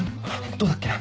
どうだっけな？